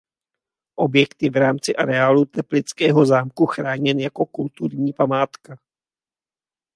Objekt je v rámci areálu teplického zámku chráněn jako kulturní památka.